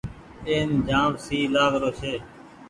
اين جآم سئي لآگ رو ڇي۔